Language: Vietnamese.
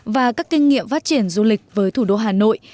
và các kinh nghiệm phát triển du lịch với thủ đô hà nội